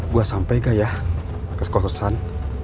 gua sampai gak ya kekos kosan